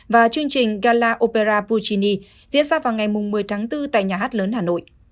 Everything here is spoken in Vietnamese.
và chương trình gala opera puchini diễn ra vào ngày một mươi tháng bốn tại nhà hát lớn hà nội